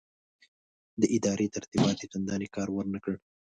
د ادارې ترتیبات یې چنداني کار ورنه کړ.